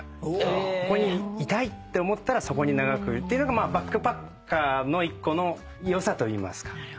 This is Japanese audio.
ここにいたいって思ったらそこに長くっていうのがまあバックパッカーの一個のよさといいますか。